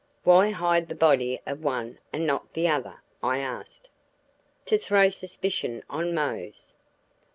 "Why hide the body of one and not the other?" I asked. "To throw suspicion on Mose."